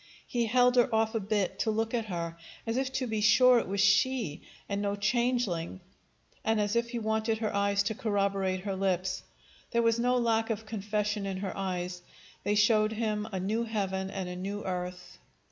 He held her off a bit to look at her, as if to be sure it was she and no changeling, and as if he wanted her eyes to corroborate her lips. There was no lack of confession in her eyes; they showed him a new heaven and a new earth.